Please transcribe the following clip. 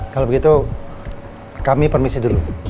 kalau begitu kami permisi dulu